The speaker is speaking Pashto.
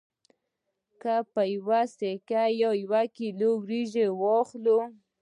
که په یوه سکه یو کیلو وریجې واخلو